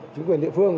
chính quyền địa phương